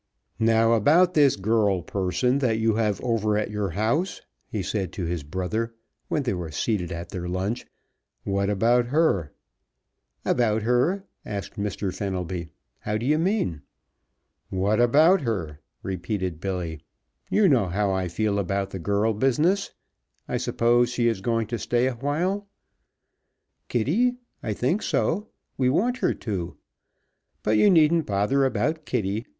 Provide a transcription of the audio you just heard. "Now, about this girl person that you have over at your house," he said to his brother, when they were seated at their lunch, "what about her?" "About her?" asked Mr. Fenelby. "How do you mean?" "What about her?" repeated Billy. "You know how I feel about the girl business. I suppose she is going to stay awhile?" "Kitty? I think so. We want her to. But you needn't bother about Kitty.